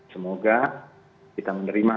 semoga kita menerima